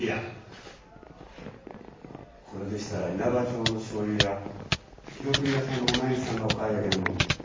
これでしたら因幡町の醤油屋廣國屋さんのお内儀さんがお買い上げのものです。